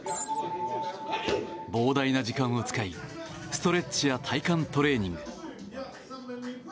膨大な時間を使いストレッチや体幹トレーニング。